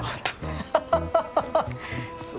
ハハハハ！